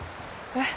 えっ？